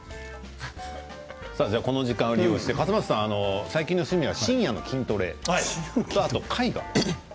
この時間を利用して笠松さん、最近の趣味は深夜の筋トレと絵画と。